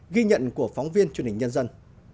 ghi nhận của phóng viên truyền hình nhân dân